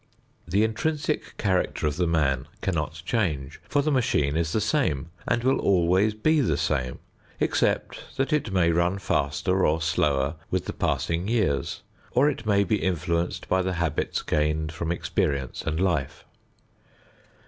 The intrinsic character of the man cannot change, for the machine is the same and will always be the same, except that it may run faster or slower with the passing years, or it may be influenced by the habits gained from experience and life.